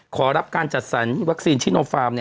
ขอรับการจัดสรรวัคซีนชิโนฟาร์ม